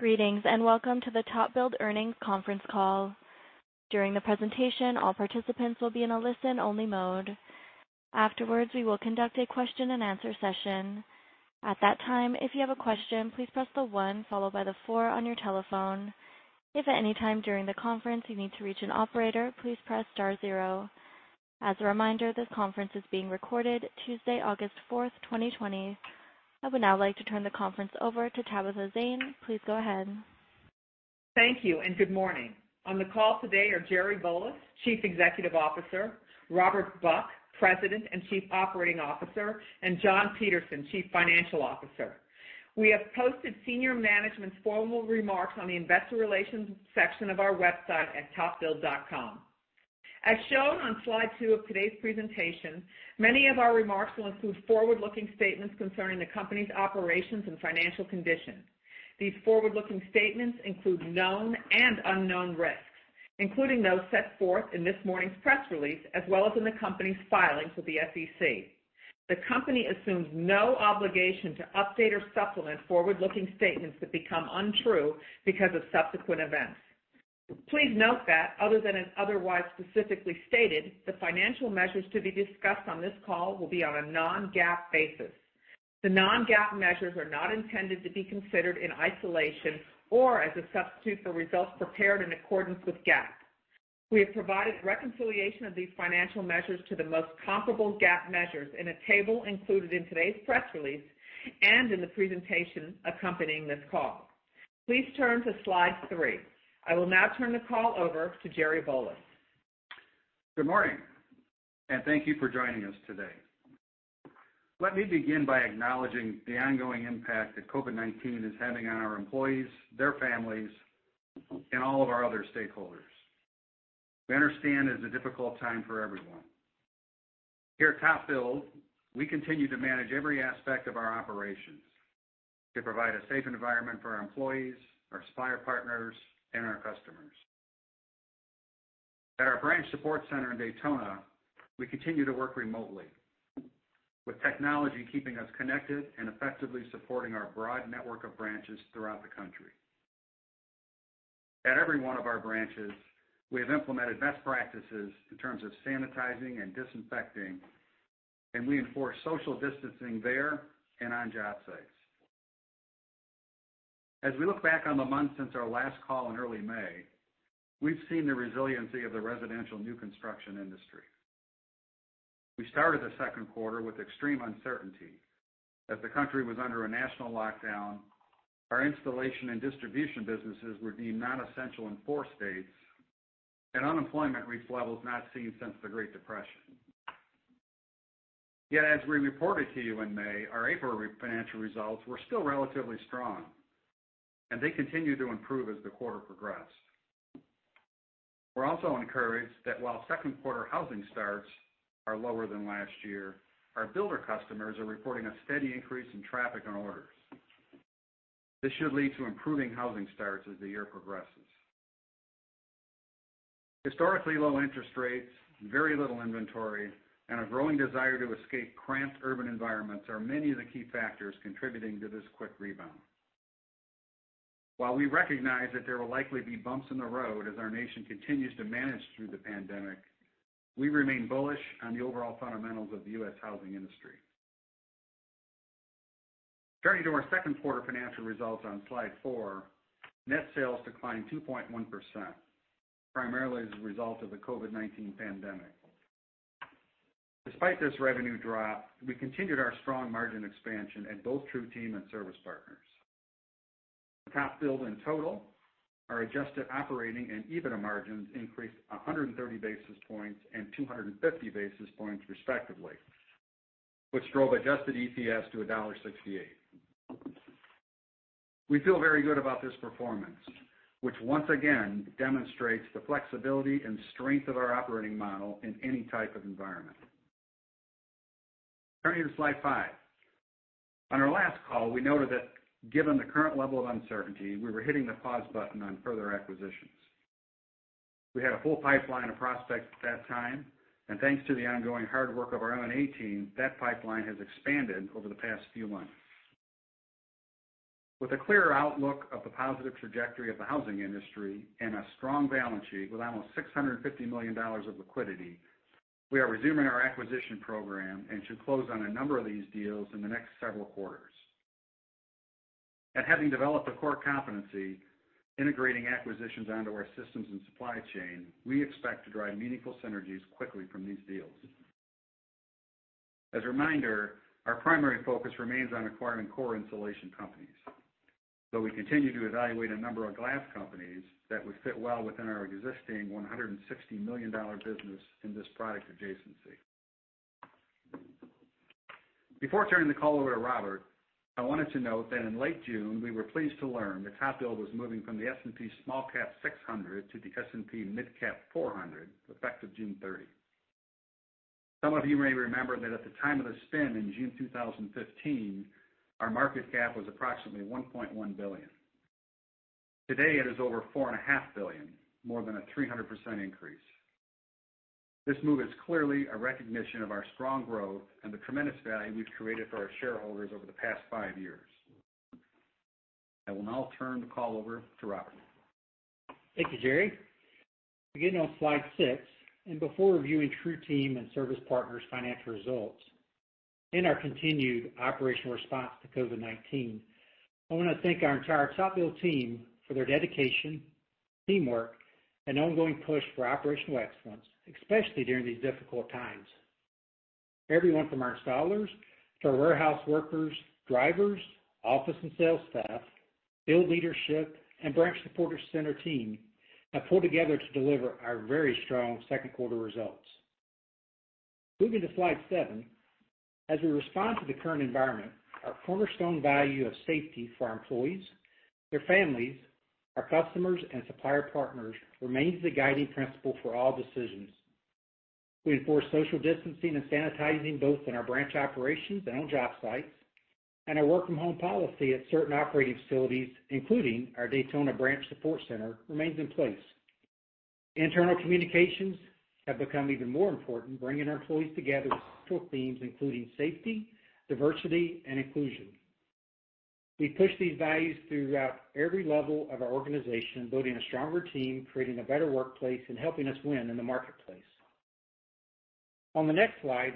Greetings, and welcome to the TopBuild Earnings Conference Call. During the presentation, all participants will be in a listen-only mode. Afterwards, we will conduct a question-and-answer session. At that time, if you have a question, please press the one followed by the four on your telephone. If at any time during the conference you need to reach an operator, please press star zero. As a reminder, this conference is being recorded. Tuesday, August fourth, twenty twenty. I would now like to turn the conference over to Tabitha Zane. Please go ahead. Thank you, and good morning. On the call today are Jerry Volas, Chief Executive Officer, Robert Buck, President and Chief Operating Officer, and John Peterson, Chief Financial Officer. We have posted senior management's formal remarks on the investor relations section of our website at topbuild.com. As shown on Slide 2 of today's presentation, many of our remarks will include forward-looking statements concerning the company's operations and financial condition. These forward-looking statements include known and unknown risks, including those set forth in this morning's press release, as well as in the company's filings with the SEC. The company assumes no obligation to update or supplement forward-looking statements that become untrue because of subsequent events. Please note that other than is otherwise specifically stated, the financial measures to be discussed on this call will be on a Non-GAAP basis. The Non-GAAP measures are not intended to be considered in isolation or as a substitute for results prepared in accordance with GAAP. We have provided reconciliation of these financial measures to the most comparable GAAP measures in a table included in today's press release and in the presentation accompanying this call. Please turn to Slide 3. I will now turn the call over to Jerry Volas. Good morning, and thank you for joining us today. Let me begin by acknowledging the ongoing impact that COVID-19 is having on our employees, their families, and all of our other stakeholders. We understand it's a difficult time for everyone. Here at TopBuild, we continue to manage every aspect of our operations to provide a safe environment for our employees, our supplier partners, and our customers. At our branch support center in Daytona, we continue to work remotely, with technology keeping us connected and effectively supporting our broad network of branches throughout the country. At every one of our branches, we have implemented best practices in terms of sanitizing and disinfecting, and we enforce social distancing there and on job sites. As we look back on the months since our last call in early May, we've seen the resiliency of the residential new construction industry. We started the second quarter with extreme uncertainty. As the country was under a national lockdown, our installation and distribution businesses were deemed non-essential in four states, and unemployment reached levels not seen since the Great Depression. Yet, as we reported to you in May, our April financial results were still relatively strong, and they continued to improve as the quarter progressed. We're also encouraged that while second quarter housing starts are lower than last year, our builder customers are reporting a steady increase in traffic and orders. This should lead to improving housing starts as the year progresses. Historically low interest rates, very little inventory, and a growing desire to escape cramped urban environments are many of the key factors contributing to this quick rebound. While we recognize that there will likely be bumps in the road as our nation continues to manage through the pandemic, we remain bullish on the overall fundamentals of the U.S. housing industry. Turning to our second quarter financial results on Slide 4, net sales declined 2.1%, primarily as a result of the COVID-19 pandemic. Despite this revenue drop, we continued our strong margin expansion at both TruTeam and Service Partners. TopBuild, in total, our adjusted operating and EBITDA margins increased 130 basis points and 250 basis points, respectively, which drove adjusted EPS to $1.68. We feel very good about this performance, which once again demonstrates the flexibility and strength of our operating model in any type of environment. Turning to Slide 5. On our last call, we noted that given the current level of uncertainty, we were hitting the pause button on further acquisitions. We had a full pipeline of prospects at that time, and thanks to the ongoing hard work of our M&A team, that pipeline has expanded over the past few months. With a clearer outlook of the positive trajectory of the housing industry and a strong balance sheet with almost $650 million of liquidity, we are resuming our acquisition program and should close on a number of these deals in the next several quarters, and having developed a core competency, integrating acquisitions onto our systems and supply chain, we expect to drive meaningful synergies quickly from these deals. As a reminder, our primary focus remains on acquiring core insulation companies, though we continue to evaluate a number of glass companies that would fit well within our existing 160 million business in this product adjacency. Before turning the call over to Robert, I wanted to note that in late June, we were pleased to learn that TopBuild was moving from the S&P SmallCap 600 to the S&P MidCap 400, effective June 30. Some of you may remember that at the time of the spin in June 2015, our market cap was approximately $1.1 billion. Today, it is over $4.5 billion, more than a 300% increase. This move is clearly a recognition of our strong growth and the tremendous value we've created for our shareholders over the past five years. I will now turn the call over to Robert. Thank you, Jerry. Beginning on Slide 6, and before reviewing TruTeam and Service Partners' financial results and our continued operational response to COVID-19, I want to thank our entire TopBuild team for their dedication, teamwork, and ongoing push for operational excellence, especially during these difficult times. Everyone from our installers to our warehouse workers, drivers, office and sales staff, field leadership, and branch support center team have pulled together to deliver our very strong second quarter results. Moving to Slide 7, as we respond to the current environment, our cornerstone value of safety for our employees, their families, our customers, and supplier partners remains the guiding principle for all decisions. We enforce social distancing and sanitizing both in our branch operations and on job sites, and our work-from-home policy at certain operating facilities, including our Daytona Branch Support Center, remains in place. Internal communications have become even more important, bringing our employees together with central themes, including safety, diversity, and inclusion. We push these values throughout every level of our organization, building a stronger team, creating a better workplace, and helping us win in the marketplace. On the next slide,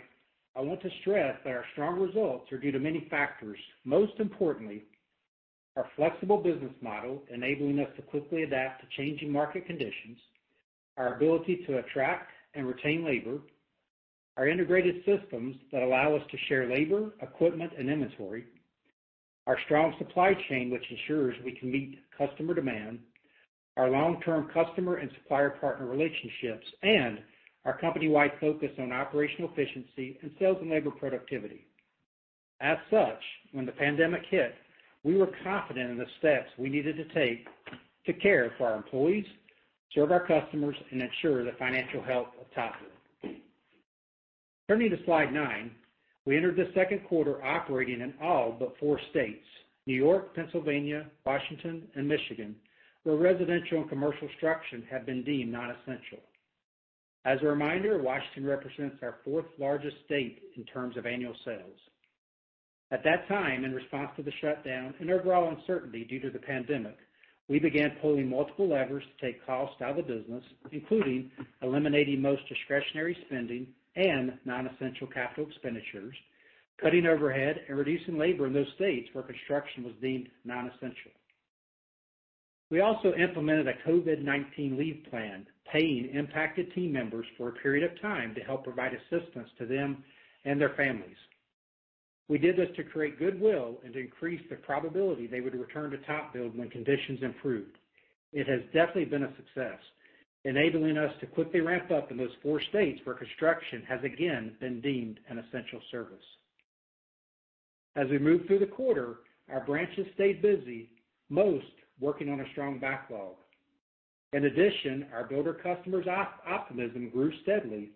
I want to stress that our strong results are due to many factors. Most importantly, our flexible business model, enabling us to quickly adapt to changing market conditions, our ability to attract and retain labor, our integrated systems that allow us to share labor, equipment, and inventory, our strong supply chain, which ensures we can meet customer demand, our long-term customer and supplier partner relationships, and our company-wide focus on operational efficiency and sales and labor productivity. As such, when the pandemic hit, we were confident in the steps we needed to take to care for our employees, serve our customers, and ensure the financial health of TopBuild. Turning to Slide 9, we entered the second quarter operating in all but four states: New York, Pennsylvania, Washington, and Michigan, where residential and commercial construction had been deemed nonessential. As a reminder, Washington represents our fourth-largest state in terms of annual sales. At that time, in response to the shutdown and overall uncertainty due to the pandemic, we began pulling multiple levers to take costs out of the business, including eliminating most discretionary spending and nonessential capital expenditures, cutting overhead, and reducing labor in those states where construction was deemed nonessential. We also implemented a COVID-19 leave plan, paying impacted team members for a period of time to help provide assistance to them and their families. We did this to create goodwill and increase the probability they would return to TopBuild when conditions improved. It has definitely been a success, enabling us to quickly ramp up in those four states where construction has again been deemed an essential service. As we moved through the quarter, our branches stayed busy, most working on a strong backlog. In addition, our builder customers' optimism grew steadily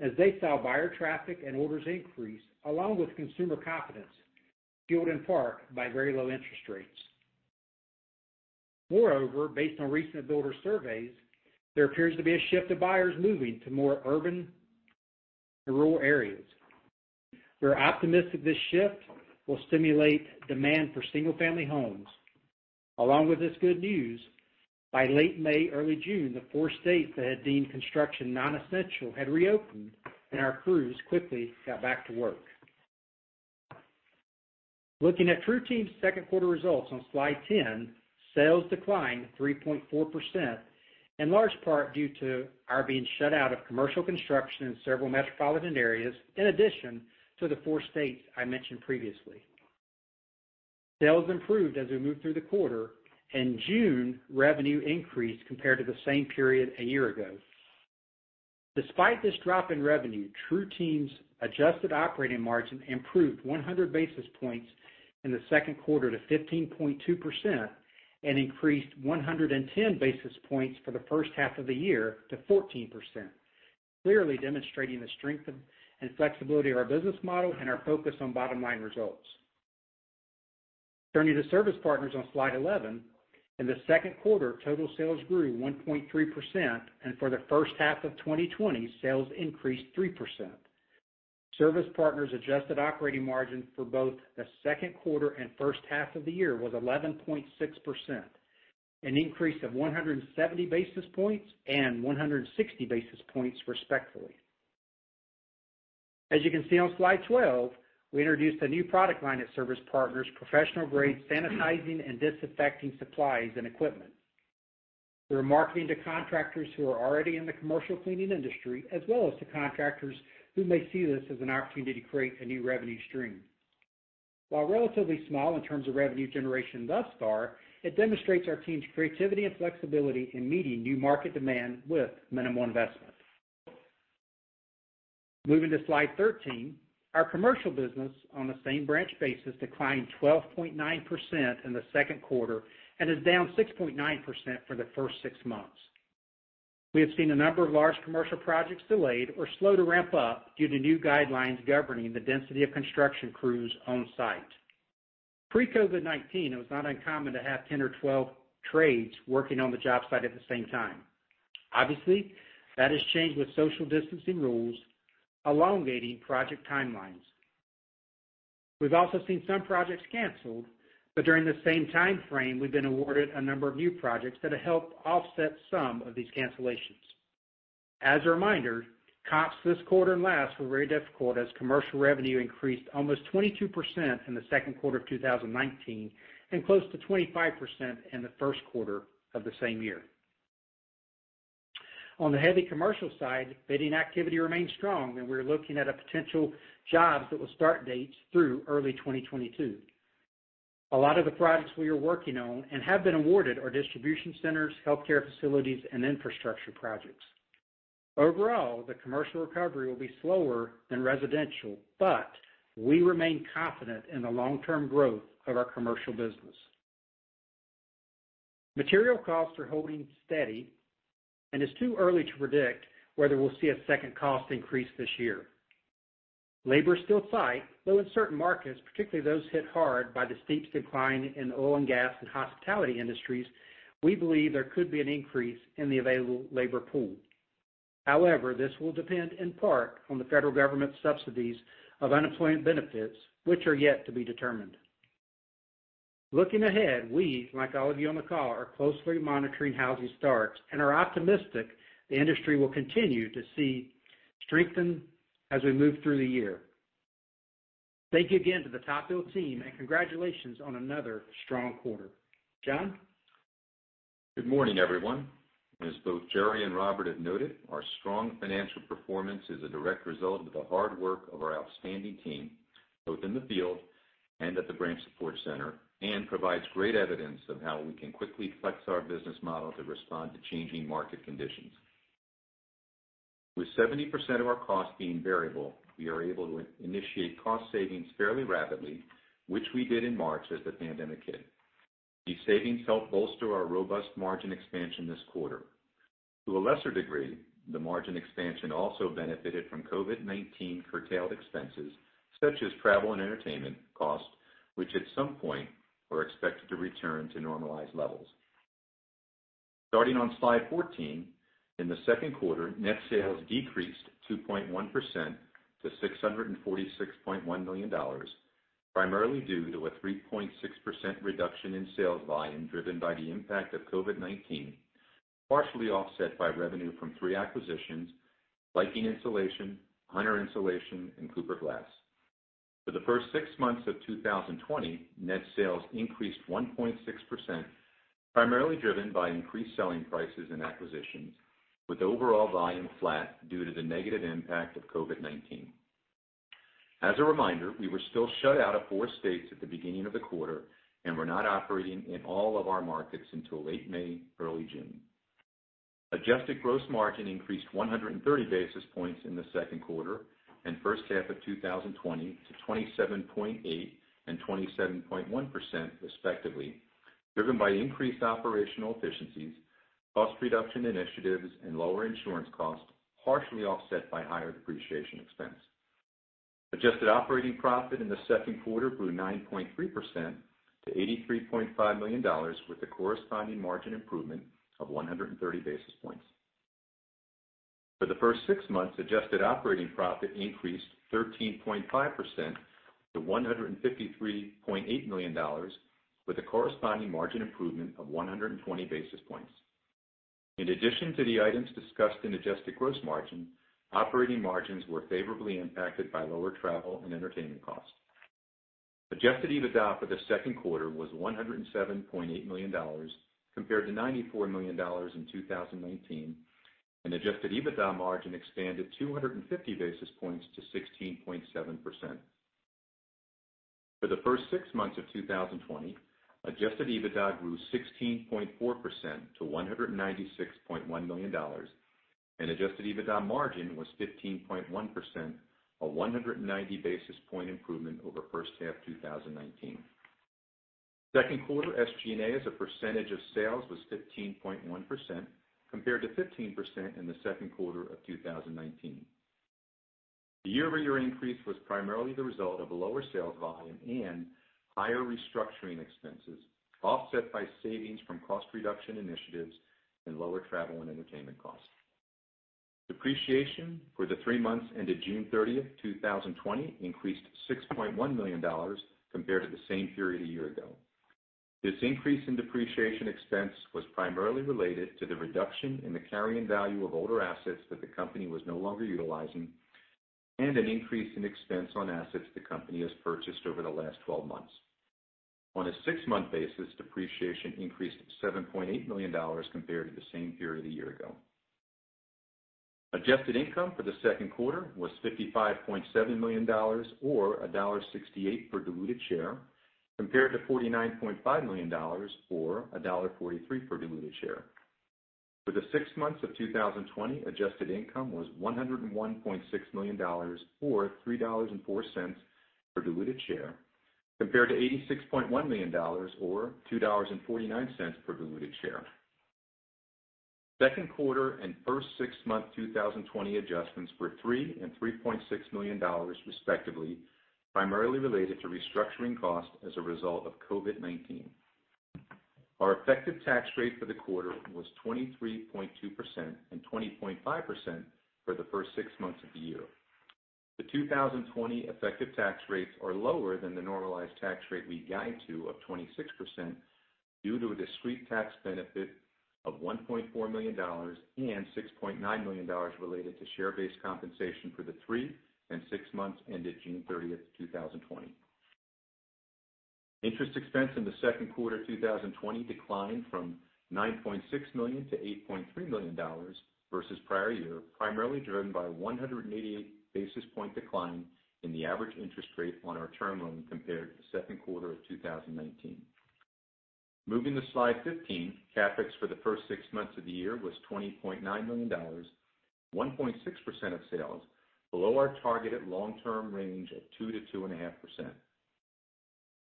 as they saw buyer traffic and orders increase, along with consumer confidence, fueled in part by very low interest rates. Moreover, based on recent builder surveys, there appears to be a shift of buyers moving to more urban to rural areas. We're optimistic this shift will stimulate demand for single-family homes. Along with this good news, by late May, early June, the four states that had deemed construction nonessential had reopened, and our crews quickly got back to work. Looking at TruTeam's second quarter results on Slide 10, sales declined 3.4%, in large part due to our being shut out of commercial construction in several metropolitan areas, in addition to the four states I mentioned previously. Sales improved as we moved through the quarter, and June revenue increased compared to the same period a year ago. Despite this drop in revenue, TruTeam's adjusted operating margin improved 100 basis points in the second quarter to 15.2% and increased 110 basis points for the first half of the year to 14%, clearly demonstrating the strength and flexibility of our business model and our focus on bottom-line results. Turning to Service Partners on Slide 11, in the second quarter, total sales grew 1.3%, and for the first half of 2020, sales increased 3%. Service Partners' adjusted operating margin for both the second quarter and first half of the year was 11.6%, an increase of one hundred and seventy basis points and one hundred and sixty basis points, respectively. As you can see on Slide 12, we introduced a new product line at Service Partners, professional-grade sanitizing and disinfecting supplies and equipment. We are marketing to contractors who are already in the commercial cleaning industry, as well as to contractors who may see this as an opportunity to create a new revenue stream. While relatively small in terms of revenue generation thus far, it demonstrates our team's creativity and flexibility in meeting new market demand with minimal investment. Moving to Slide 13, our commercial business on a same-branch basis declined 12.9% in the second quarter and is down 6.9% for the first six months. We have seen a number of large commercial projects delayed or slow to ramp up due to new guidelines governing the density of construction crews on site. Pre-COVID-19, it was not uncommon to have ten or twelve trades working on the job site at the same time. Obviously, that has changed with social distancing rules, elongating project timelines. We've also seen some projects canceled, but during the same time frame, we've been awarded a number of new projects that have helped offset some of these cancellations. As a reminder, comps this quarter and last were very difficult, as commercial revenue increased almost 22% in the second quarter of 2019, and close to 25% in the first quarter of the same year. On the heavy commercial side, bidding activity remains strong, and we're looking at a potential jobs that will start dates through early 2022. A lot of the projects we are working on and have been awarded are distribution centers, healthcare facilities, and infrastructure projects. Overall, the commercial recovery will be slower than residential, but we remain confident in the long-term growth of our commercial business. Material costs are holding steady, and it's too early to predict whether we'll see a second cost increase this year. Labor is still tight, though in certain markets, particularly those hit hard by the steep decline in oil and gas and hospitality industries, we believe there could be an increase in the available labor pool. However, this will depend in part on the federal government subsidies of unemployment benefits, which are yet to be determined. Looking ahead, we, like all of you on the call, are closely monitoring housing starts and are optimistic the industry will continue to see strengthen as we move through the year. Thank you again to the TopBuild team, and congratulations on another strong quarter. John? Good morning, everyone. As both Jerry and Robert have noted, our strong financial performance is a direct result of the hard work of our outstanding team, both in the field and at the branch support center, and provides great evidence of how we can quickly flex our business model to respond to changing market conditions. With 70% of our costs being variable, we are able to initiate cost savings fairly rapidly, which we did in March as the pandemic hit. These savings helped bolster our robust margin expansion this quarter. To a lesser degree, the margin expansion also benefited from COVID-19 curtailed expenses, such as travel and entertainment costs, which at some point are expected to return to normalized levels. Starting on Slide 14, in the second quarter, net sales decreased 2.1% to $646.1 million, primarily due to a 3.6% reduction in sales volume, driven by the impact of COVID-19, partially offset by revenue from three acquisitions, Viking Insulation, Hunter Insulation, and Cooper Glass. For the first six months of 2020, net sales increased 1.6%, primarily driven by increased selling prices and acquisitions, with overall volume flat due to the negative impact of COVID-19. As a reminder, we were still shut out of four states at the beginning of the quarter and were not operating in all of our markets until late May, early June. Adjusted gross margin increased 130 basis points in the second quarter and first half of 2020 to 27.8% and 27.1% respectively, driven by increased operational efficiencies, cost reduction initiatives, and lower insurance costs, partially offset by higher depreciation expense. Adjusted operating profit in the second quarter grew 9.3% to $83.5 million, with a corresponding margin improvement of 130 basis points. For the first six months, adjusted operating profit increased 13.5% to $153.8 million, with a corresponding margin improvement of 120 basis points. In addition to the items discussed in adjusted gross margin, operating margins were favorably impacted by lower travel and entertainment costs. Adjusted EBITDA for the second quarter was $107.8 million, compared to $94 million in 2019, and Adjusted EBITDA margin expanded 250 basis points to 16.7%. For the first six months of 2020, Adjusted EBITDA grew 16.4% to $196.1 million, and Adjusted EBITDA margin was 15.1%, a 190 basis point improvement over first half 2019. Second quarter SG&A, as a percentage of sales, was 15.1%, compared to 15% in the second quarter of 2019. The year-over-year increase was primarily the result of a lower sales volume and higher restructuring expenses, offset by savings from cost reduction initiatives and lower travel and entertainment costs. Depreciation for the three months ended June thirtieth, 2020, increased $6.1 million compared to the same period a year ago. This increase in depreciation expense was primarily related to the reduction in the carrying value of older assets that the company was no longer utilizing and an increase in expense on assets the company has purchased over the last 12 months. On a six-month basis, depreciation increased $7.8 million compared to the same period a year ago. Adjusted income for the second quarter was $55.7 million, or $1.68 per diluted share, compared to $49.5 million, or $1.43 per diluted share. For the six months of 2020, adjusted income was $101.6 million, or $3.04 per diluted share, compared to $86.1 million or $2.49 per diluted share. Second quarter and first six-month 2020 adjustments were $3 million and $3.6 million, respectively, primarily related to restructuring costs as a result of COVID-19. Our effective tax rate for the quarter was 23.2% and 20.5% for the first six months of the year. The 2020 effective tax rates are lower than the normalized tax rate we guide to of 26%, due to a discrete tax benefit of $1.4 million and $6.9 million related to share-based compensation for the three and six months ended June thirtieth, 2020. Interest expense in the second quarter 2020 declined from $9.6 million to $8.3 million versus prior year, primarily driven by 188 basis point decline in the average interest rate on our term loan compared to the second quarter of 2019. Moving to Slide 15, CapEx for the first six months of the year was $20.9 million, 1.6% of sales, below our targeted long-term range of 2%-2.5%.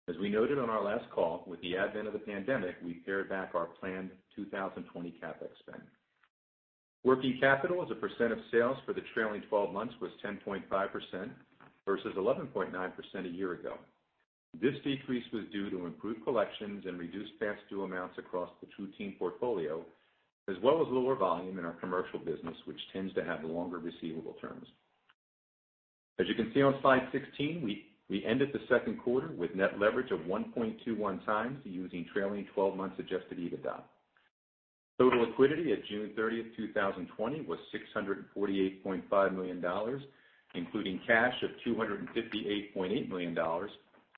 As we noted on our last call, with the advent of the pandemic, we pared back our planned 2020 CapEx spend. Working capital as a percent of sales for the trailing twelve months was 10.5% versus 11.9% a year ago. This decrease was due to improved collections and reduced past due amounts across the TruTeam portfolio, as well as lower volume in our commercial business, which tends to have longer receivable terms. As you can see on Slide 16, we ended the second quarter with net leverage of 1.21 times, using trailing twelve months Adjusted EBITDA. Total liquidity at June thirtieth, 2020, was $648.5 million, including cash of $258.8 million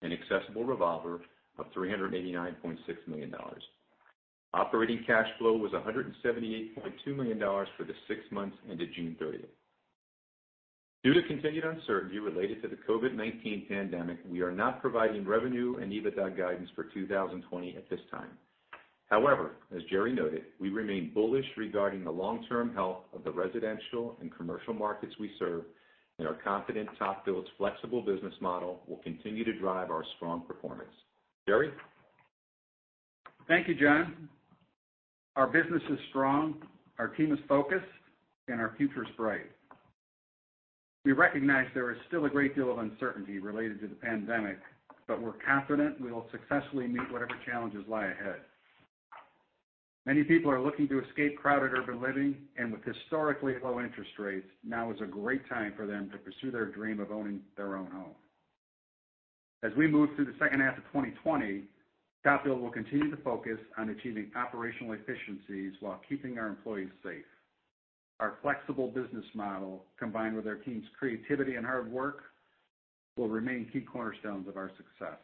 and accessible revolver of $389.6 million. Operating cash flow was $178.2 million for the six months ended June thirtieth. Due to continued uncertainty related to the COVID-19 pandemic, we are not providing revenue and EBITDA guidance for 2020 at this time. However, as Jerry noted, we remain bullish regarding the long-term health of the residential and commercial markets we serve, and are confident TopBuild's flexible business model will continue to drive our strong performance. Jerry? Thank you, John. Our business is strong, our team is focused, and our future is bright. We recognize there is still a great deal of uncertainty related to the pandemic, but we're confident we will successfully meet whatever challenges lie ahead. Many people are looking to escape crowded urban living, and with historically low interest rates, now is a great time for them to pursue their dream of owning their own home. As we move through the second half of 2020, TopBuild will continue to focus on achieving operational efficiencies while keeping our employees safe. Our flexible business model, combined with our team's creativity and hard work, will remain key cornerstones of our success.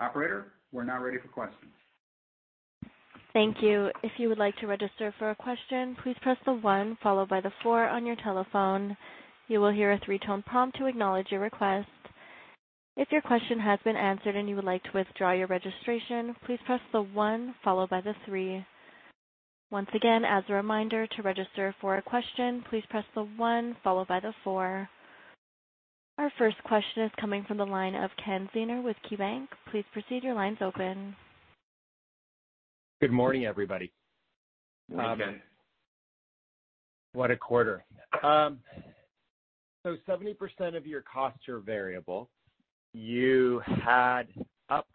Operator, we're now ready for questions. Thank you. If you would like to register for a question, please press the one followed by the four on your telephone. You will hear a three-tone prompt to acknowledge your request. If your question has been answered and you would like to withdraw your registration, please press the one followed by the three. Once again, as a reminder, to register for a question, please press the one followed by the four. Our first question is coming from the line of Ken Zener with KeyBank. Please proceed, your line's open. Good morning, everybody. Good morning, Ken. What a quarter! So 70% of your costs are variable. You had up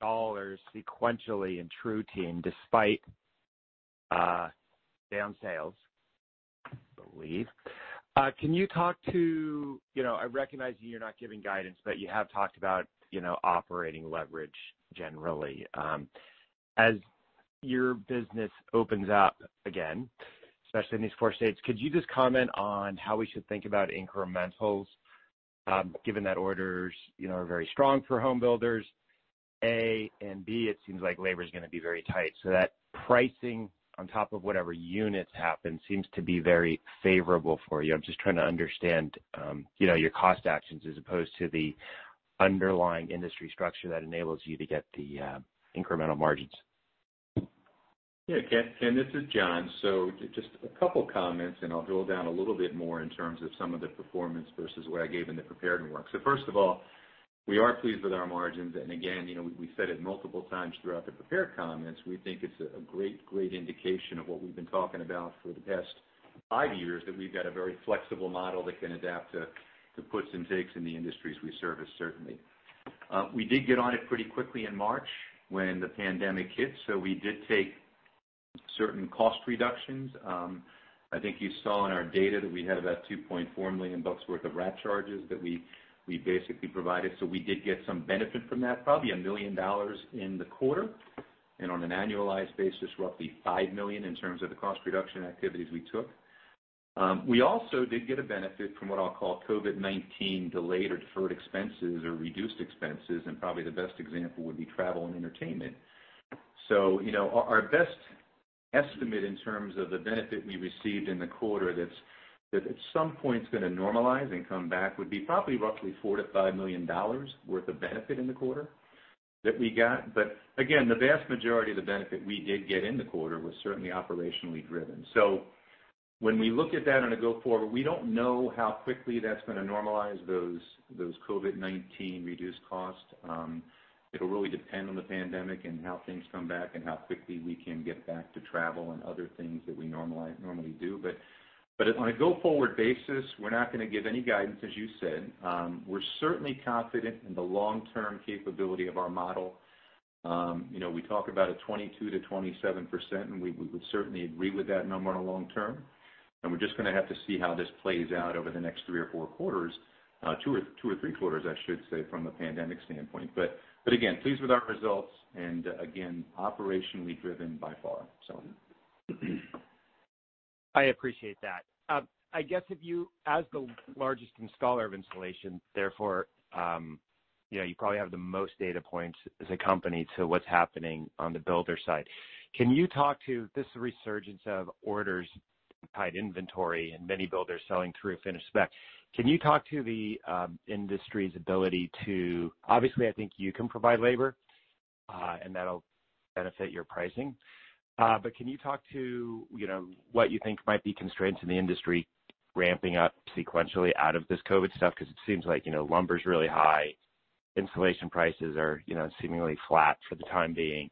dollars sequentially in TruTeam, despite down sales, I believe. Can you talk to... You know, I recognize you're not giving guidance, but you have talked about, you know, operating leverage generally. As your business opens up again, especially in these core states, could you just comment on how we should think about incrementals, given that orders, you know, are very strong for home builders, A, and B, it seems like labor is gonna be very tight. So that pricing on top of whatever units happen seems to be very favorable for you. I'm just trying to understand, you know, your cost actions as opposed to the underlying industry structure that enables you to get the incremental margins. Yeah, Ken, Ken, this is John. So just a couple comments, and I'll drill down a little bit more in terms of some of the performance versus what I gave in the prepared remarks. So first of all, we are pleased with our margins. And again, you know, we, we said it multiple times throughout the prepared comments, we think it's a, a great, great indication of what we've been talking about for the past five years, that we've got a very flexible model that can adapt to, to puts and takes in the industries we service, certainly. We did get on it pretty quickly in March when the pandemic hit, so we did take certain cost reductions. I think you saw in our data that we had about $2.4 million worth of RAT charges that we, we basically provided. So we did get some benefit from that, probably $1 million in the quarter, and on an annualized basis, roughly $5 million in terms of the cost reduction activities we took. We also did get a benefit from what I'll call COVID-19 delayed or deferred expenses or reduced expenses, and probably the best example would be travel and entertainment. So, you know, our best estimate in terms of the benefit we received in the quarter, that's at some point is gonna normalize and come back, would be probably roughly $4-$5 million worth of benefit in the quarter that we got. But again, the vast majority of the benefit we did get in the quarter was certainly operationally driven. When we look at that on a go forward, we don't know how quickly that's gonna normalize those COVID-19 reduced costs. It'll really depend on the pandemic and how things come back and how quickly we can get back to travel and other things that we normally do. But on a go-forward basis, we're not gonna give any guidance, as you said. We're certainly confident in the long-term capability of our model. You know, we talk about a 22%-27%, and we would certainly agree with that number in the long term. And we're just gonna have to see how this plays out over the next three or four quarters, two or three quarters, I should say, from a pandemic standpoint. But again, pleased with our results, and again, operationally driven by far, so. I appreciate that. I guess if you, as the largest installer of insulation, therefore, you know, you probably have the most data points as a company to what's happening on the builder side. Can you talk to this resurgence of orders, tight inventory, and many builders selling through finish spec? Can you talk to the industry's ability to obviously, I think you can provide labor, and that'll benefit your pricing. But can you talk to, you know, what you think might be constraints in the industry ramping up sequentially out of this COVID stuff? Because it seems like, you know, lumber's really high. Insulation prices are, you know, seemingly flat for the time being.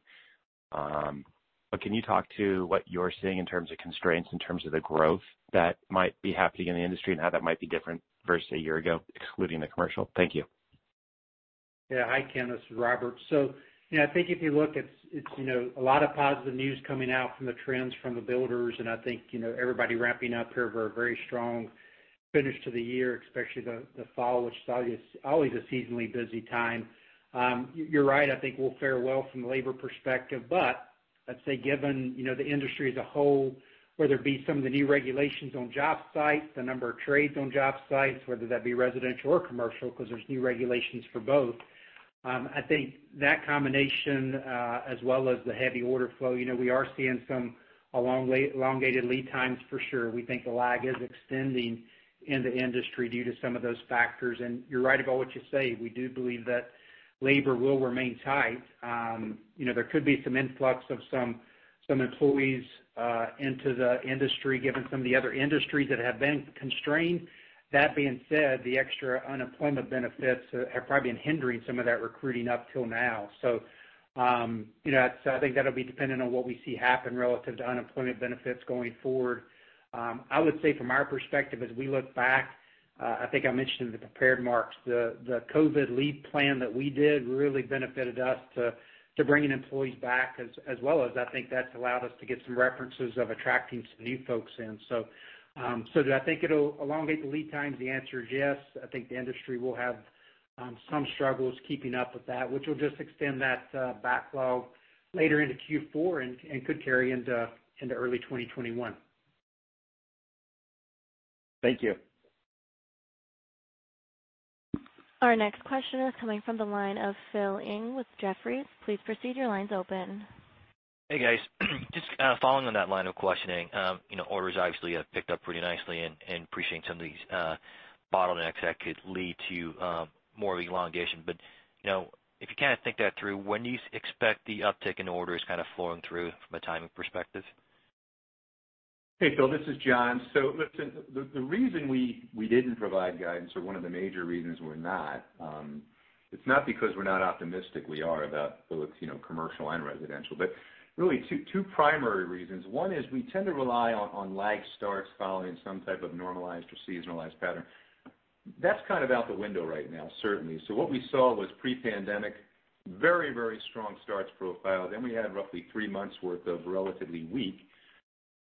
But can you talk to what you're seeing in terms of constraints, in terms of the growth that might be happening in the industry, and how that might be different versus a year ago, excluding the commercial? Thank you. Yeah. Hi, Ken, this is Robert. So, you know, I think if you look, it's a lot of positive news coming out from the trends from the builders, and I think, you know, everybody ramping up here for a very strong finish to the year, especially the fall, which is always a seasonally busy time. You're right, I think we'll fare well from a labor perspective, but let's say given, you know, the industry as a whole, whether it be some of the new regulations on job sites, the number of trades on job sites, whether that be residential or commercial, 'cause there's new regulations for both. I think that combination, as well as the heavy order flow, you know, we are seeing some elongated lead times for sure. We think the lag is extending in the industry due to some of those factors. And you're right about what you say, we do believe that labor will remain tight. You know, there could be some influx of some employees into the industry, given some of the other industries that have been constrained. That being said, the extra unemployment benefits have probably been hindering some of that recruiting up till now. So, you know, I think that'll be dependent on what we see happen relative to unemployment benefits going forward. I would say from our perspective, as we look back, I think I mentioned in the prepared remarks, the COVID leave plan that we did really benefited us to bringing employees back, as well as I think that's allowed us to get some referrals for attracting some new folks in. Do I think it'll elongate the lead times? The answer is yes. I think the industry will have some struggles keeping up with that, which will just extend that backlog later into Q4 and could carry into early 2021. Thank you. Our next question is coming from the line of Philip Ng with Jefferies. Please proceed, your line's open. Hey, guys. Just, following on that line of questioning, you know, orders obviously have picked up pretty nicely and appreciating some of these, bottlenecks that could lead to, more elongation. But, you know, if you kind of think that through, when do you expect the uptick in orders kind of flowing through from a timing perspective? Hey, Phil, this is John. So listen, the reason we didn't provide guidance or one of the major reasons we're not, it's not because we're not optimistic, we are about both, you know, commercial and residential. But really two primary reasons. One is we tend to rely on lag starts following some type of normalized or seasonalized pattern. That's kind of out the window right now, certainly. So what we saw was pre-pandemic, very, very strong starts profile. Then we had roughly three months worth of relatively weak.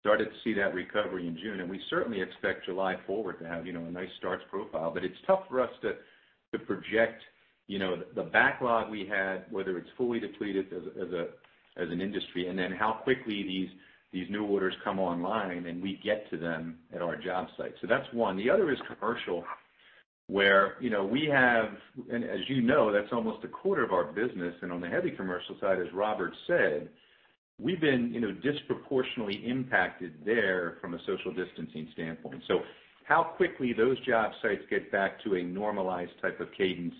Started to see that recovery in June, and we certainly expect July forward to have, you know, a nice starts profile. But it's tough for us to project, you know, the backlog we had, whether it's fully depleted as an industry, and then how quickly these new orders come online, and we get to them at our job site. So that's one. The other is commercial, where, you know, we have, and as you know, that's almost a quarter of our business, and on the heavy commercial side, as Robert said, we've been, you know, disproportionately impacted there from a social distancing standpoint. So how quickly those job sites get back to a normalized type of cadence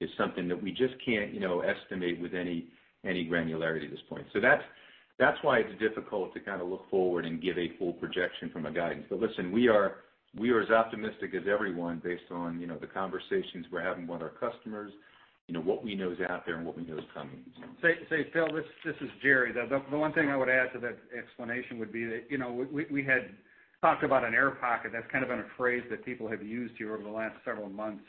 is something that we just can't, you know, estimate with any granularity at this point. So that's why it's difficult to kind of look forward and give a full projection from a guidance. But listen, we are, we are as optimistic as everyone based on, you know, the conversations we're having with our customers, you know, what we know is out there and what we know is coming. Phil, this is Jerry. The one thing I would add to that explanation would be that, you know, we had talked about an air pocket. That's kind of been a phrase that people have used here over the last several months.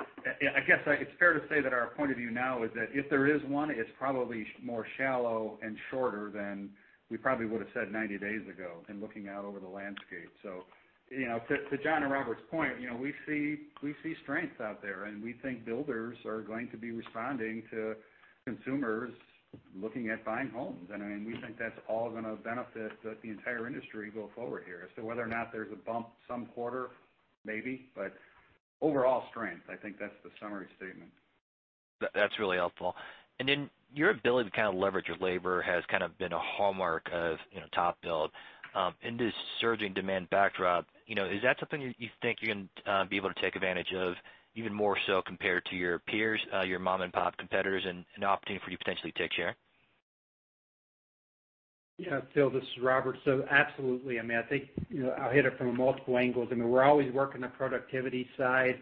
I guess it's fair to say that our point of view now is that if there is one, it's probably shallower and shorter than we probably would have said ninety days ago and looking out over the landscape. So, you know, to John and Robert's point, you know, we see strength out there, and we think builders are going to be responding to consumers looking at buying homes. And I mean, we think that's all gonna benefit the entire industry going forward here. So whether or not there's a bump some quarter, maybe, but overall strength, I think that's the summary statement. That's really helpful. And then, your ability to kind of leverage your labor has kind of been a hallmark of, you know, TopBuild. In this surging demand backdrop, you know, is that something you think you can be able to take advantage of even more so compared to your peers, your mom-and-pop competitors, and an opportunity for you to potentially take share? Yeah, Phil, this is Robert. So absolutely, I mean, I think, you know, I'll hit it from multiple angles. I mean, we're always working the productivity side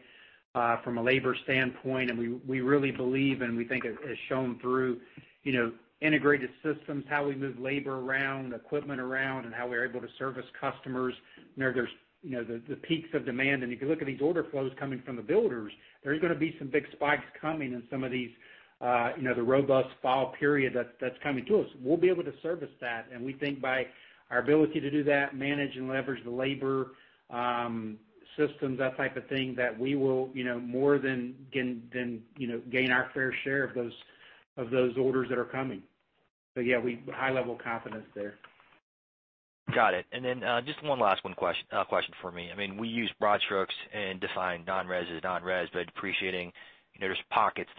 from a labor standpoint, and we really believe, and we think it has shown through, you know, integrated systems, how we move labor around, equipment around, and how we're able to service customers. You know, there's the peaks of demand, and if you look at these order flows coming from the builders, there are gonna be some big spikes coming in some of these, you know, the robust fall period that's coming to us. We'll be able to service that, and we think by our ability to do that, manage and leverage the labor, systems, that type of thing, that we will, you know, more than can, you know, gain our fair share of those orders that are coming. So yeah, we high level confidence there. Got it. And then, just one last question for me. I mean, we use broad strokes in defining non-res as non-res, but appreciating, you know, there's pockets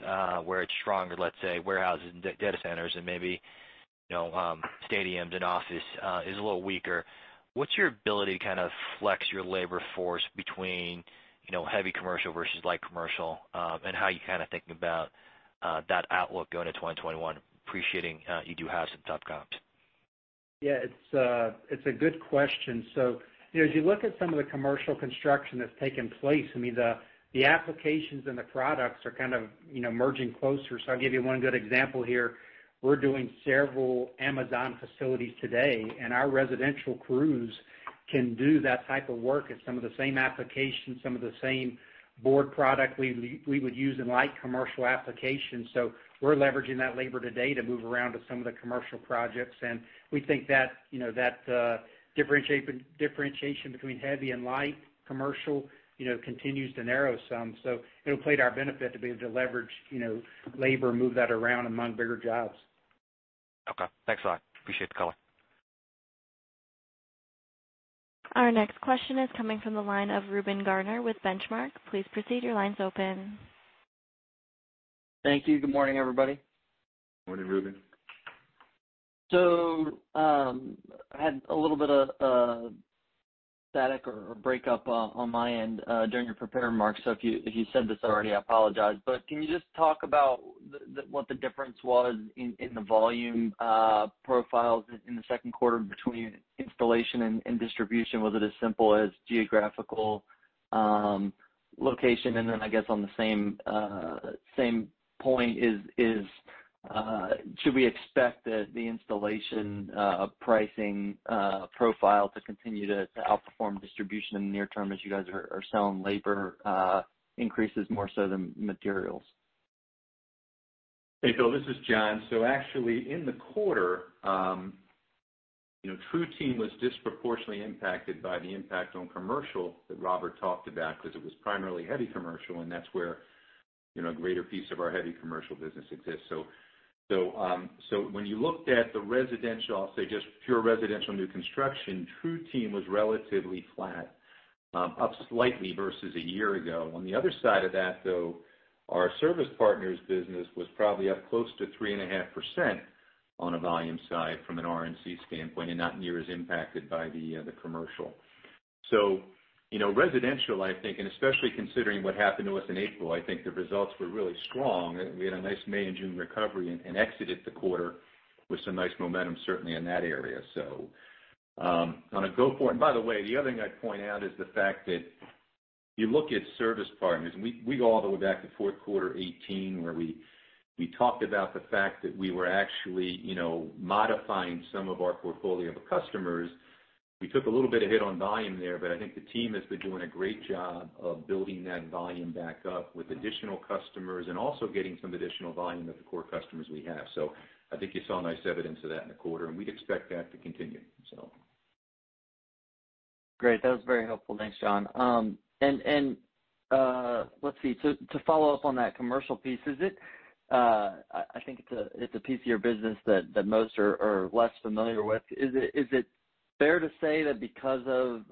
where it's stronger, let's say, warehouses and data centers and maybe, you know, stadiums and office is a little weaker. What's your ability to kind of flex your labor force between, you know, heavy commercial versus light commercial, and how you're kind of thinking about that outlook going to 2021, appreciating you do have some tough comps? Yeah, it's a good question. So, you know, as you look at some of the commercial construction that's taken place, I mean, the applications and the products are kind of, you know, merging closer. So I'll give you one good example here. We're doing several Amazon facilities today, and our residential crews can do that type of work and some of the same applications, some of the same board product we would use in light commercial applications. So we're leveraging that labor today to move around to some of the commercial projects. And we think that, you know, that differentiation between heavy and light commercial, you know, continues to narrow some. So it'll play to our benefit to be able to leverage, you know, labor, move that around among bigger jobs. Okay. Thanks a lot. Appreciate the color. Our next question is coming from the line of Ruben Garner with Benchmark. Please proceed, your line's open. Thank you. Good morning, everybody. Morning, Ruben. So, I had a little bit of static or breakup on my end during your prepared remarks, so if you said this already, I apologize. But can you just talk about what the difference was in the volume profiles in the second quarter between installation and distribution? Was it as simple as geographical location? And then I guess on the same point, should we expect that the installation pricing profile to continue to outperform distribution in the near term as you guys are selling labor increases more so than materials? Hey, Phil, this is John. So actually, in the quarter, you know, TruTeam was disproportionately impacted by the impact on commercial that Robert talked about, because it was primarily heavy commercial, and that's where, you know, a greater piece of our heavy commercial business exists. So, so, so when you looked at the residential, I'll say just pure residential new construction, TruTeam was relatively flat, up slightly versus a year ago. On the other side of that, though, our Service Partners business was probably up close to 3.5% on a volume side from an RNC standpoint, and not near as impacted by the, the commercial. So, you know, residential, I think, and especially considering what happened to us in April, I think the results were really strong. We had a nice May and June recovery and exited the quarter with some nice momentum, certainly in that area. So, on a go forward, and by the way, the other thing I'd point out is the fact that you look at service partners, and we go all the way back to fourth quarter 2018, where we talked about the fact that we were actually, you know, modifying some of our portfolio of customers. We took a little bit of hit on volume there, but I think the team has been doing a great job of building that volume back up with additional customers and also getting some additional volume of the core customers we have. So I think you saw nice evidence of that in the quarter, and we'd expect that to continue, so. Great. That was very helpful. Thanks, John. And, let's see. To follow up on that commercial piece, is it... I think it's a piece of your business that most are less familiar with. Is it fair to say that because of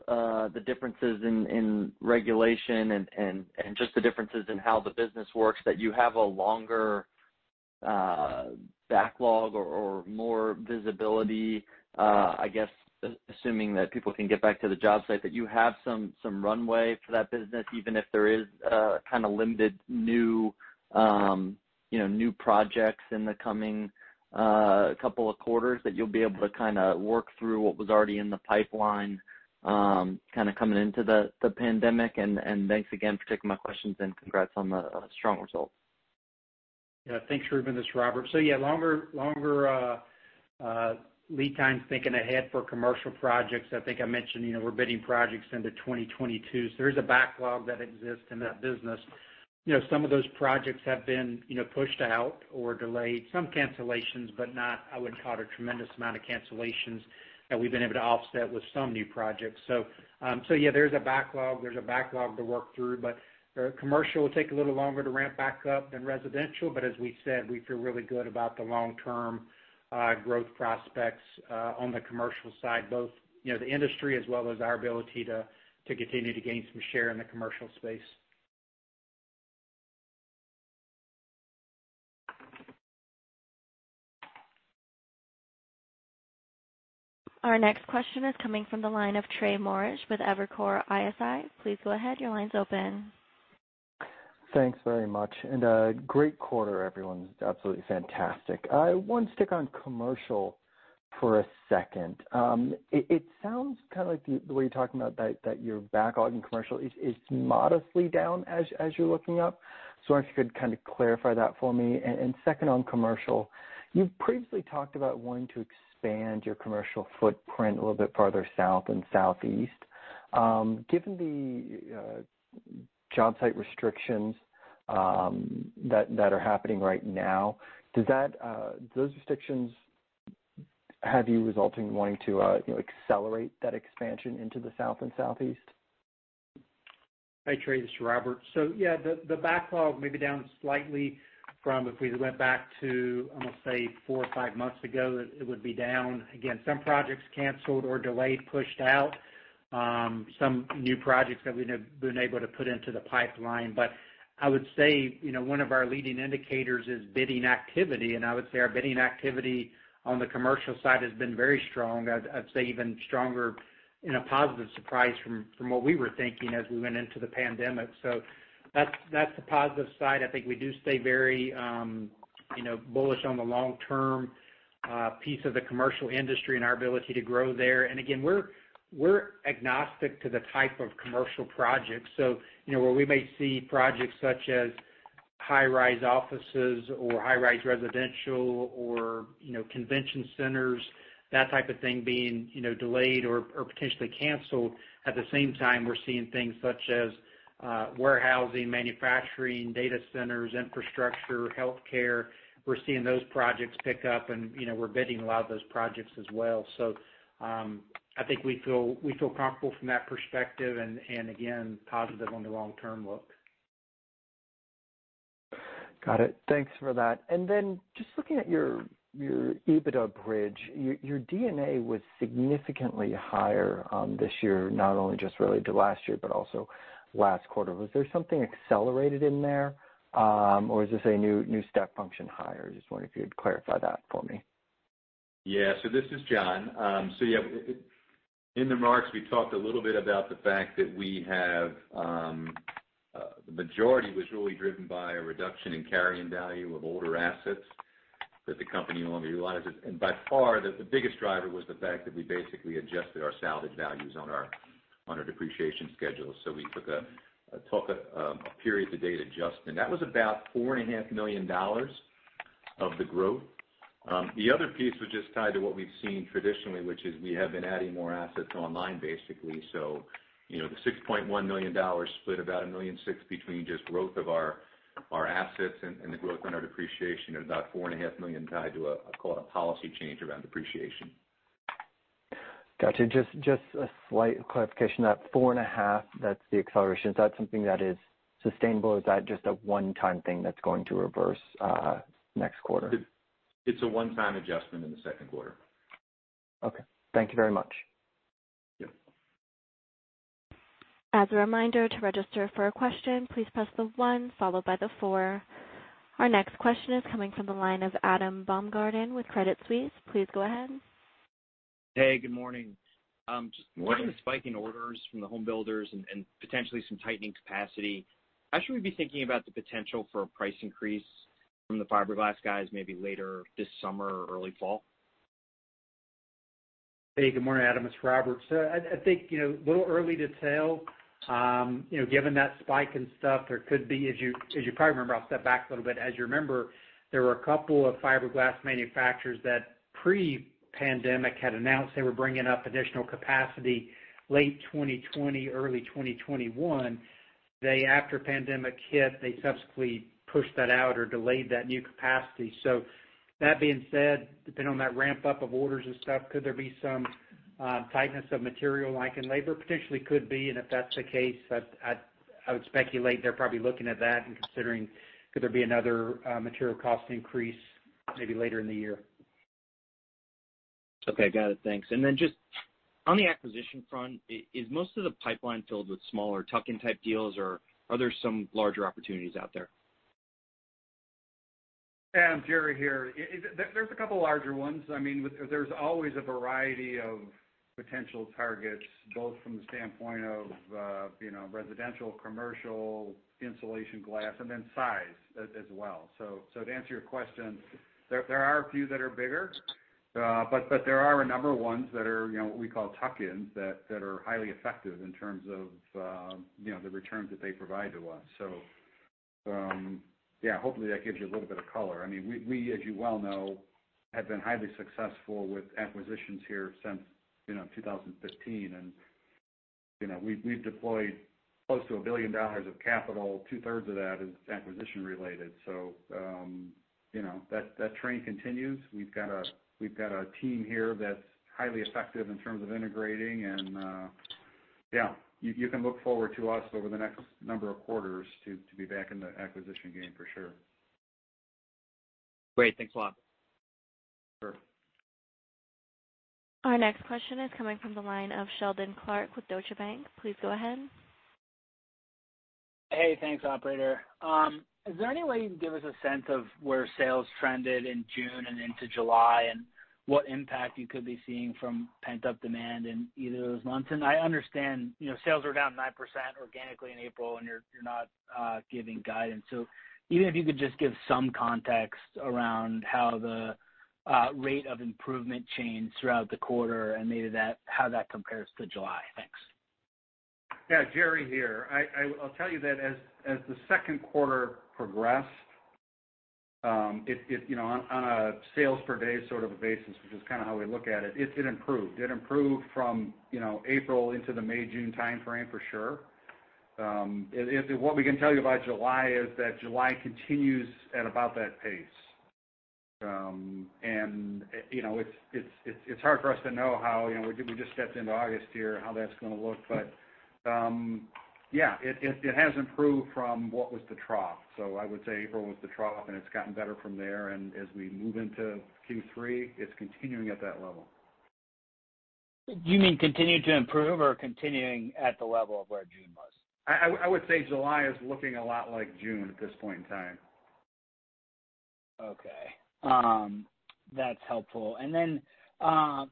the differences in regulation and just the differences in how the business works, that you have a longer backlog or more visibility, I guess, assuming that people can get back to the job site, that you have some runway for that business, even if there is kind of limited new, you know, new projects in the coming couple of quarters, that you'll be able to kind of work through what was already in the pipeline, kind of coming into the pandemic? Thanks again for taking my questions, and congrats on the strong results. Yeah, thanks, Ruben. This is Robert. So yeah, longer lead times thinking ahead for commercial projects. I think I mentioned, you know, we're bidding projects into 2022, so there is a backlog that exists in that business. You know, some of those projects have been, you know, pushed out or delayed. Some cancellations, but not, I wouldn't call it a tremendous amount of cancellations that we've been able to offset with some new projects. So yeah, there's a backlog to work through, but commercial will take a little longer to ramp back up than residential. But as we said, we feel really good about the long-term growth prospects on the commercial side, both, you know, the industry as well as our ability to continue to gain some share in the commercial space. Our next question is coming from the line of Trey Morrish with Evercore ISI. Please go ahead. Your line's open. Thanks very much, and, great quarter, everyone. Absolutely fantastic. I want to stick on commercial for a second. It sounds kind of like the way you're talking about that your backlog in commercial is modestly down as you're looking up. So I wonder if you could kind of clarify that for me. And second, on commercial, you've previously talked about wanting to expand your commercial footprint a little bit farther south and southeast. Given the job site restrictions that are happening right now, does that those restrictions have you resulting in wanting to you know accelerate that expansion into the south and southeast? Hey, Trey, this is Robert. So, yeah, the backlog may be down slightly from if we went back to, I'm gonna say four or five months ago, it would be down. Again, some projects canceled or delayed, pushed out, some new projects that we've been able to put into the pipeline. But I would say, you know, one of our leading indicators is bidding activity, and I would say our bidding activity on the commercial side has been very strong. I'd say even stronger in a positive surprise from what we were thinking as we went into the pandemic. So that's the positive side. I think we do stay very, you know, bullish on the long-term piece of the commercial industry and our ability to grow there. And again, we're agnostic to the type of commercial projects. So, you know, where we may see projects such as high-rise offices or high-rise residential or, you know, convention centers, that type of thing being, you know, delayed or, or potentially canceled, at the same time, we're seeing things such as warehousing, manufacturing, data centers, infrastructure, healthcare. We're seeing those projects pick up and, you know, we're bidding a lot of those projects as well. So, I think we feel comfortable from that perspective, and again, positive on the long-term look. Got it. Thanks for that. And then just looking at your EBITDA bridge, your EBITDA was significantly higher this year, not only just related to last year, but also last quarter. Was there something accelerated in there, or is this a new step function higher? I just wonder if you'd clarify that for me. Yeah, so this is John. So yeah, in the remarks, we talked a little bit about the fact that we have the majority was really driven by a reduction in carrying value of older assets that the company no longer utilizes, and by far, the biggest driver was the fact that we basically adjusted our salvage values on our depreciation schedule, so we took a period-to-date adjustment. That was about $4.5 million of the growth. The other piece was just tied to what we've seen traditionally, which is we have been adding more assets online, basically. So, you know, the $6.1 million split about $1.6 million between just growth of our assets and the growth on our depreciation, and about $4.5 million tied to a, I call it a policy change around depreciation. Gotcha. Just, just a slight clarification. That four and a half, that's the acceleration, is that something that is sustainable, or is that just a one-time thing that's going to reverse next quarter? It's a one-time adjustment in the second quarter. Okay. Thank you very much. Yep. As a reminder, to register for a question, please press the one followed by the four. Our next question is coming from the line of Adam Baumgarten with Credit Suisse. Please go ahead. Hey, good morning. Morning. Given the spike in orders from the home builders and potentially some tightening capacity, how should we be thinking about the potential for a price increase from the fiberglass guys maybe later this summer or early fall? Hey, good morning, Adam, it's Robert. So I think, you know, a little early to tell. You know, given that spike and stuff, there could be, as you probably remember, I'll step back a little bit. As you remember, there were a couple of fiberglass manufacturers that, pre-pandemic, had announced they were bringing up additional capacity late 2020, early 2021. They, after pandemic hit, they subsequently pushed that out or delayed that new capacity. So that being said, depending on that ramp-up of orders and stuff, could there be some tightness of material like in labor? Potentially could be, and if that's the case, I would speculate they're probably looking at that and considering could there be another material cost increase maybe later in the year. Okay, got it. Thanks. And then just on the acquisition front, is most of the pipeline filled with smaller tuck-in type deals, or are there some larger opportunities out there? Adam, Jerry here. There's a couple larger ones. I mean, there's always a variety of potential targets, both from the standpoint of, you know, residential, commercial, insulation, glass, and then size as well. So to answer your question, there are a few that are bigger, but there are a number of ones that are, you know, what we call tuck-ins, that are highly effective in terms of, you know, the returns that they provide to us. So, yeah, hopefully, that gives you a little bit of color. I mean, we, as you well know, have been highly successful with acquisitions here since, you know, 2015. And, you know, we've deployed close to $1 billion of capital, two-thirds of that is acquisition related. So, you know, that trend continues. We've got a team here that's highly effective in terms of integrating and, yeah, you can look forward to us over the next number of quarters to be back in the acquisition game for sure. Great. Thanks a lot. Sure. Our next question is coming from the line of Seldon Clarke with Deutsche Bank. Please go ahead. Hey, thanks, operator. Is there any way you can give us a sense of where sales trended in June and into July, and what impact you could be seeing from pent-up demand in either of those months? And I understand, you know, sales are down 9% organically in April, and you're not giving guidance. So even if you could just give some context around how the rate of improvement changed throughout the quarter and maybe how that compares to July. Thanks. Yeah, Jerry here. I'll tell you that as the second quarter progressed, it, you know, on a sales per day sort of a basis, which is kind of how we look at it, it improved. It improved from, you know, April into the May-June timeframe for sure. What we can tell you about July is that July continues at about that pace. And, you know, it's hard for us to know how, you know, we just stepped into August here, how that's gonna look. But, yeah, it has improved from what was the trough. So I would say April was the trough, and it's gotten better from there, and as we move into Q3, it's continuing at that level. Do you mean continuing to improve or continuing at the level of where June was? I would say July is looking a lot like June at this point in time. Okay. That's helpful. And then,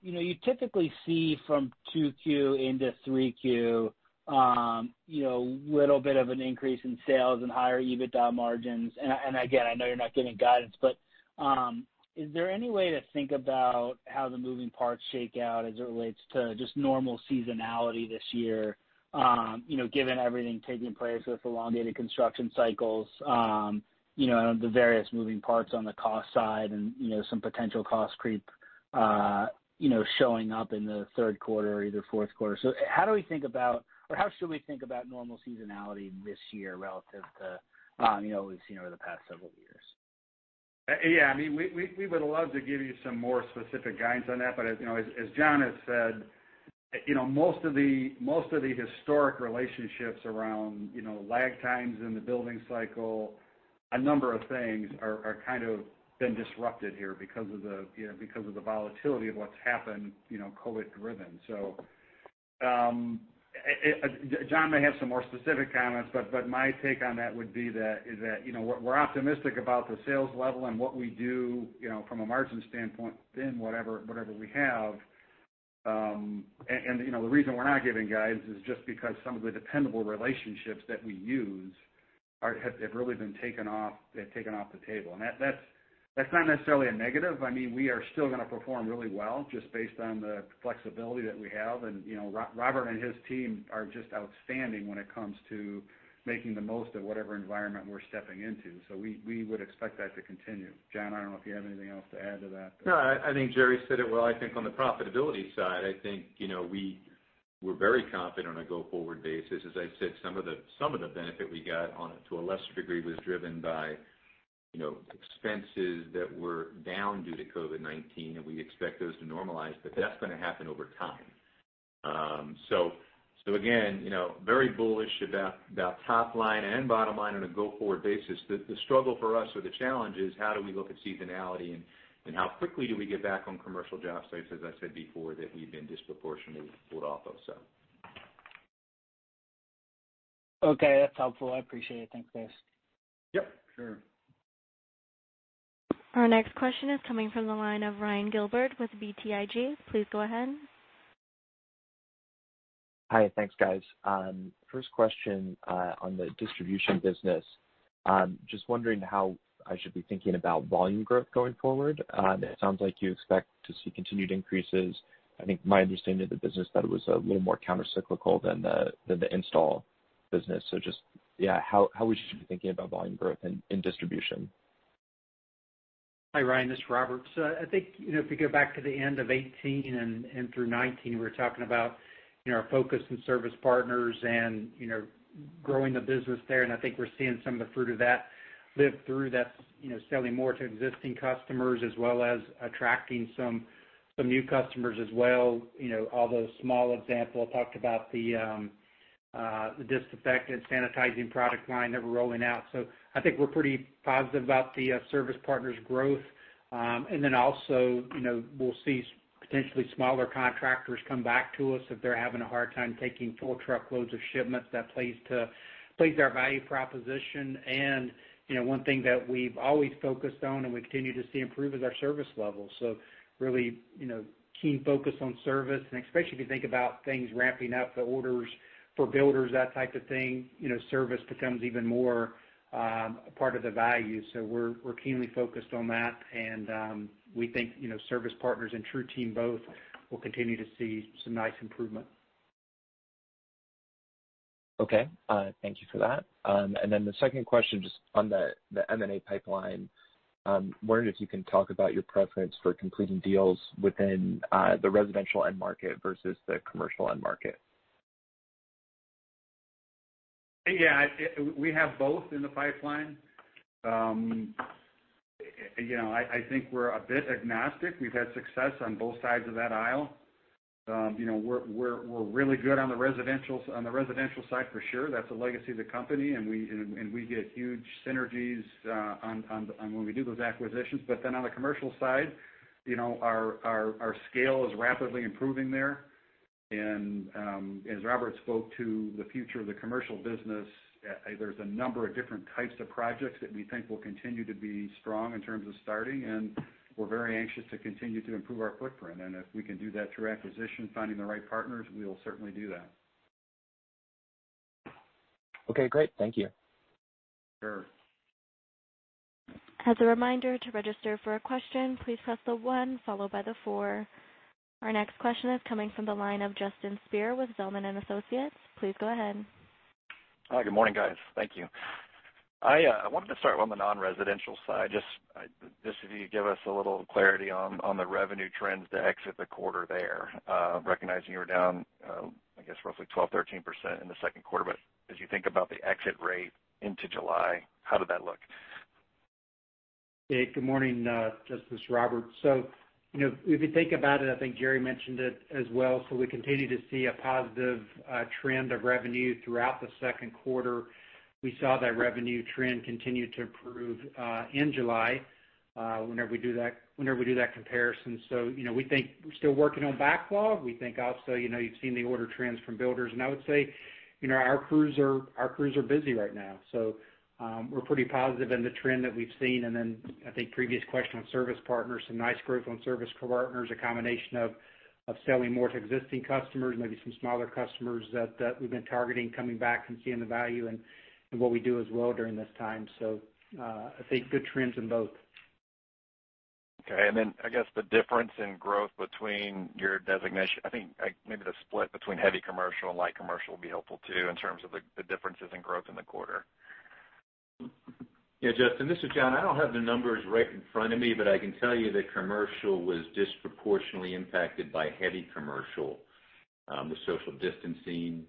you know, you typically see from 2Q into 3Q, you know, little bit of an increase in sales and higher EBITDA margins. And again, I know you're not giving guidance, but, is there any way to think about how the moving parts shake out as it relates to just normal seasonality this year, you know, given everything taking place with elongated construction cycles, you know, the various moving parts on the cost side and, you know, some potential cost creep, you know, showing up in the third quarter or either fourth quarter? So how do we think about, or how should we think about normal seasonality this year relative to, you know, we've seen over the past several years? Yeah, I mean, we would love to give you some more specific guidance on that, but, you know, as John has said, you know, most of the historic relationships around, you know, lag times in the building cycle, a number of things are kind of been disrupted here because of the, you know, because of the volatility of what's happened, you know, COVID driven. So, John may have some more specific comments, but, my take on that would be that is that, you know, we're optimistic about the sales level and what we do, you know, from a margin standpoint, then whatever we have. You know, the reason we're not giving guidance is just because some of the dependable relationships that we use have really been taken off the table. That's not necessarily a negative. I mean, we are still gonna perform really well, just based on the flexibility that we have. And, you know, Robert and his team are just outstanding when it comes to making the most of whatever environment we're stepping into. So we would expect that to continue. John, I don't know if you have anything else to add to that? No, I think Jerry said it well. I think on the profitability side, I think, you know, we're very confident on a go-forward basis. As I said, some of the benefit we got on it, to a lesser degree, was driven by, you know, expenses that were down due to COVID-19, and we expect those to normalize, but that's gonna happen over time. So again, you know, very bullish about top line and bottom line on a go-forward basis. The struggle for us or the challenge is how do we look at seasonality and how quickly do we get back on commercial job sites, as I said before, that we've been disproportionately pulled off of, so. Okay, that's helpful. I appreciate it. Thanks, guys. Yep, sure. Our next question is coming from the line of Ryan Gilbert with BTIG. Please go ahead. Hi, thanks, guys. First question on the distribution business. Just wondering how I should be thinking about volume growth going forward? It sounds like you expect to see continued increases. I think my understanding of the business, that it was a little more countercyclical than the install business. So just, yeah, how we should be thinking about volume growth in distribution? Hi, Ryan, this is Robert. So I think, you know, if you go back to the end of 2018 and through 2019, we're talking about, you know, our focus and Service Partners and, you know, growing the business there, and I think we're seeing some of the fruit of that live through that, you know, selling more to existing customers, as well as attracting some new customers as well. You know, although a small example, I talked about the disinfectant sanitizing product line that we're rolling out. So I think we're pretty positive about the Service Partners' growth. And then also, you know, we'll see potentially smaller contractors come back to us if they're having a hard time taking full truckloads of shipments. That plays to our value proposition. And, you know, one thing that we've always focused on and we continue to see improve is our service level. So really, you know, keen focus on service, and especially if you think about things ramping up, the orders for builders, that type of thing, you know, service becomes even more, a part of the value. So we're keenly focused on that, and we think, you know, Service Partners and TruTeam both will continue to see some nice improvement. Okay, thank you for that. And then the second question, just on the M&A pipeline, wondering if you can talk about your preference for completing deals within the residential end market versus the commercial end market. Yeah, we have both in the pipeline. You know, I think we're a bit agnostic. We've had success on both sides of that aisle. You know, we're really good on the residential-- on the residential side for sure. That's a legacy of the company, and we get huge synergies on when we do those acquisitions. But then on the commercial side, you know, our scale is rapidly improving there. And, as Robert spoke to the future of the commercial business, there's a number of different types of projects that we think will continue to be strong in terms of starting, and we're very anxious to continue to improve our footprint, and if we can do that through acquisition, finding the right partners, we will certainly do that. Okay, great. Thank you. Sure. As a reminder, to register for a question, please press the one followed by the four. Our next question is coming from the line of Justin Speer with Zelman & Associates. Please go ahead. Hi, good morning, guys. Thank you. I wanted to start on the non-residential side. Just if you could give us a little clarity on the revenue trends to exit the quarter there, recognizing you were down, I guess, roughly 12-13% in the second quarter. But as you think about the exit rate into July, how did that look? Hey, good morning, Justin. It's Robert. So, you know, if you think about it, I think Jerry mentioned it as well. So we continue to see a positive trend of revenue throughout the second quarter. We saw that revenue trend continue to improve in July whenever we do that comparison. So, you know, we think we're still working on backlog. We think also, you know, you've seen the order trends from builders. And I would say, you know, our crews are busy right now, so we're pretty positive in the trend that we've seen. And then, I think previous question on Service Partners, some nice growth on Service Partners, a combination of selling more to existing customers, maybe some smaller customers that we've been targeting, coming back and seeing the value in what we do as well during this time. So, I think good trends in both. Okay. And then, I guess the difference in growth between your distribution. I think, maybe the split between heavy commercial and light commercial would be helpful, too, in terms of the differences in growth in the quarter. Yeah, Justin, this is John. I don't have the numbers right in front of me, but I can tell you that commercial was disproportionately impacted by heavy commercial. The social distancing,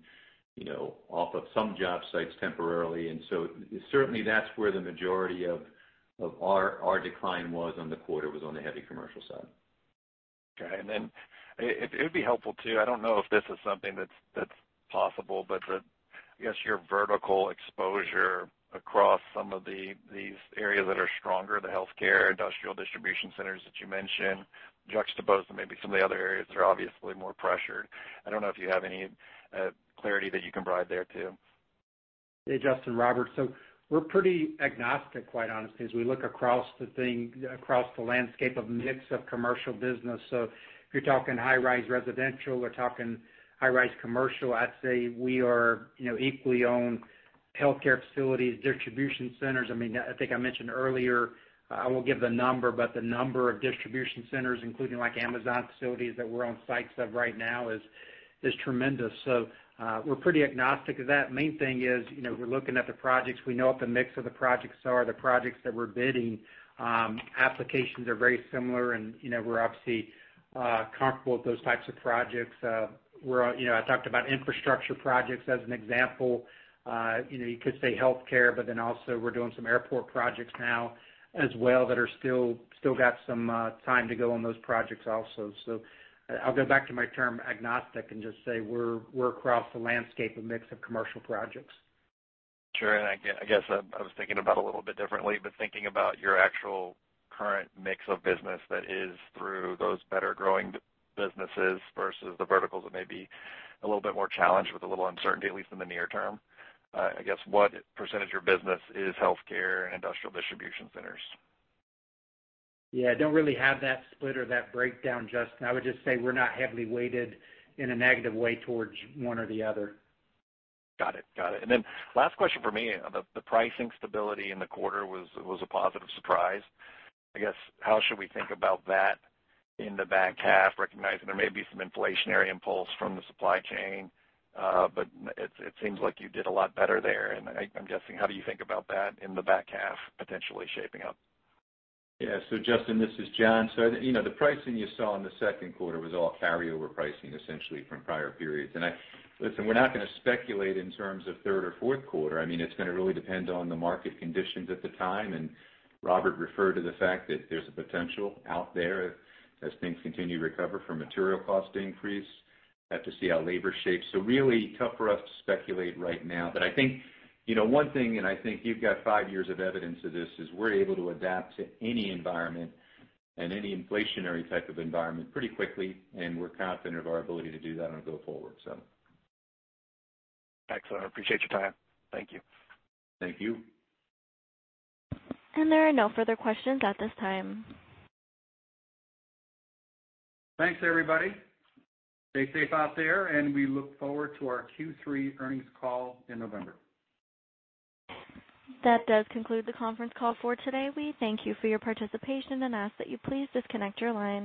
you know, off of some job sites temporarily, and so certainly that's where the majority of our decline was on the quarter, on the heavy commercial side. Okay. And then it, it'd be helpful, too. I don't know if this is something that's possible, but I guess your vertical exposure across some of these areas that are stronger, the healthcare, industrial distribution centers that you mentioned, juxtaposed to maybe some of the other areas that are obviously more pressured. I don't know if you have any clarity that you can provide there, too. Hey, Justin, Robert. So we're pretty agnostic, quite honestly, as we look across the thing, across the landscape of mix of commercial business. So if you're talking high-rise residential or talking high-rise commercial, I'd say we are, you know, equally owned healthcare facilities, distribution centers. I mean, I think I mentioned earlier, I won't give the number, but the number of distribution centers, including like Amazon facilities that we're on sites of right now, is tremendous. So we're pretty agnostic of that. Main thing is, you know, we're looking at the projects. We know what the mix of the projects are, the projects that we're bidding. Applications are very similar, and, you know, we're obviously comfortable with those types of projects. We're, you know, I talked about infrastructure projects as an example. You know, you could say healthcare, but then also we're doing some airport projects now as well, that are still got some time to go on those projects also. So I'll go back to my term agnostic and just say we're across the landscape, a mix of commercial projects. Sure. And I guess I was thinking about it a little bit differently, but thinking about your actual current mix of business that is through those better growing businesses versus the verticals that may be a little bit more challenged with a little uncertainty, at least in the near term. I guess, what percentage of your business is healthcare and industrial distribution centers? Yeah, I don't really have that split or that breakdown, Justin. I would just say we're not heavily weighted in a negative way towards one or the other. Got it. Got it. And then last question for me. The pricing stability in the quarter was a positive surprise. I guess, how should we think about that in the back half, recognizing there may be some inflationary impulse from the supply chain, but it seems like you did a lot better there. And I'm guessing, how do you think about that in the back half potentially shaping up? Yeah. So Justin, this is John. So, you know, the pricing you saw in the second quarter was all carryover pricing, essentially from prior periods. And I-- Listen, we're not going to speculate in terms of third or fourth quarter. I mean, it's going to really depend on the market conditions at the time. And Robert referred to the fact that there's a potential out there as things continue to recover from material cost increase. Have to see how labor shapes. So really tough for us to speculate right now. But I think, you know, one thing, and I think you've got five years of evidence of this, is we're able to adapt to any environment and any inflationary type of environment pretty quickly, and we're confident of our ability to do that on a go forward, so. Excellent. I appreciate your time. Thank you. Thank you. There are no further questions at this time. Thanks, everybody. Stay safe out there, and we look forward to our Q3 earnings call in November. That does conclude the conference call for today. We thank you for your participation and ask that you please disconnect your lines.